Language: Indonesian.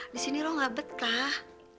disini lo enggak betah